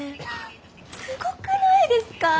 すごくないですか？